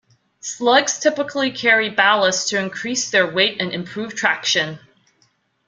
Slugs typically carry ballast to increase their weight and improve traction.